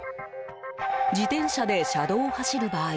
自転車で車道を走る場合